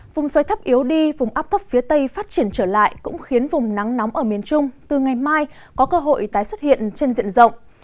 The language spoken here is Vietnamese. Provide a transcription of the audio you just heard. vùng xoáy thấp yếu đi vùng áp thấp phía tây phát triển trở lại cũng khiến vùng nắng nóng ở miền trung từ ngày mai có cơ hội tái xuất hiện trên diện rộng